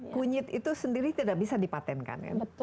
kunyit itu sendiri tidak bisa dipatenkan